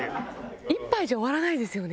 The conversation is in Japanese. １杯じゃ終わらないですよね